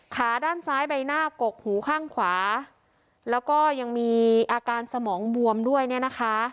ขาด้านซ้ายใบหน้ากกหูข้างขวาแล้วก็ยังมีอาการสมองบวมด้วยเนี่ยนะคะ